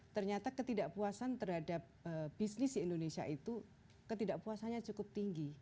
ternyata ketidakpuasan terhadap bisnis di indonesia itu ketidakpuasannya cukup tinggi